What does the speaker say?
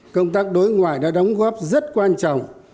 công tác đối ngoại đã đóng góp rất quan trọng